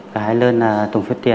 hai đơn tổng số tiền là bao nhiêu tiền